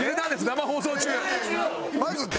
生放送中！